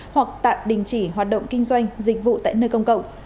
hoặc tạm đình chỉ hoạt động kinh doanh dịch vụ tại nơi công cộng